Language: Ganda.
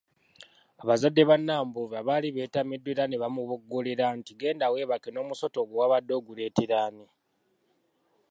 Abazadde ba Nambobya baali beetamiddwa era baamuboggolera nti genda weebake n’omusota gwo wabadde oguleetera ani?